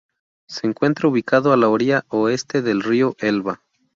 Se encuentra ubicado a la orilla oeste del río Elba.